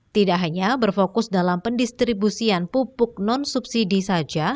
tidak hanya berfokus dalam pendistribusian pupuk non subsidi saja